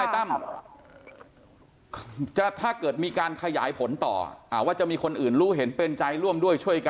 ตั้มถ้าเกิดมีการขยายผลต่อว่าจะมีคนอื่นรู้เห็นเป็นใจร่วมด้วยช่วยกัน